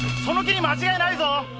その木に間違いないぞ！